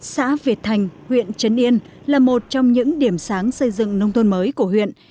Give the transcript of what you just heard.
xã việt thành huyện trấn yên là một trong những điểm sáng xây dựng nông thôn mới của huyện